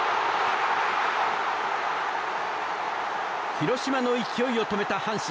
広島の勢いを止めた阪神。